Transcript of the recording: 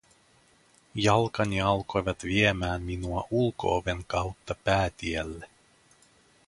Jalkani alkoivat viemään minua ulko-oven kautta päätielle.